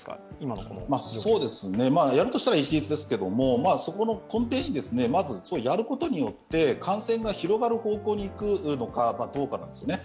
やるとしたら一律ですけれども、根底に、まずやることによって感染が広がる方向にいくのかどうかなんですよね。